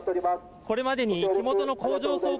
これまでに火元の工場倉庫